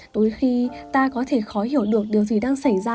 tối khi ta có thể khó hiểu được điều gì đang xảy ra